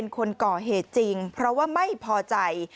คนก่อเหตุจริงเพราะว่าไม่พอใจ